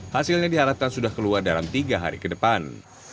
hasilnya diharapkan sudah keluar dalam tiga hari ke depan